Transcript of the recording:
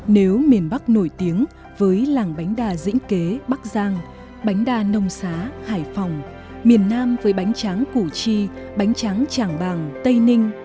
nếu miền bắc nổi tiếng với làng bánh đà dĩnh kế bắc giang bánh đa nông xá hải phòng miền nam với bánh tráng củ chi bánh tráng tràng bàng tây ninh